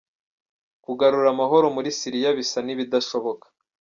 Kugarura amahoro muri Siriya bisa n’ibidashoboka